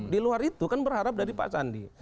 di luar itu kan berharap dari pak sandi